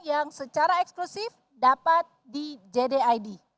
yang secara eksklusif dapat di jdid